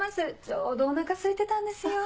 ちょうどお腹すいてたんですよ。